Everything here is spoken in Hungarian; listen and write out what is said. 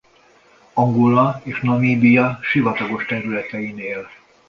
Angola és Namíbia sivatagos területein él.